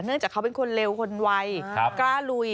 เนื่องจากเขาเป็นคนเร็วคนวัยกล้าลุย